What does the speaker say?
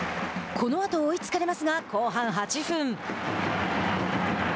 このあと追いつかれますが後半８分。